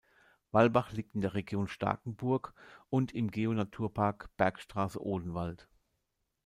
Wallbach liegt in der Region Starkenburg und im Geo-Naturpark Bergstraße-Odenwald.